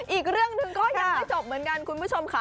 อีกเรื่องหนึ่งก็ยังไม่จบเหมือนกันคุณผู้ชมค่ะ